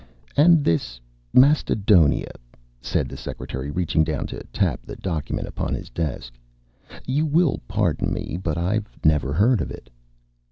"And this Mastodonia," said the secretary, reaching down to tap the document upon the desk. "You will pardon me, but I've never heard of it."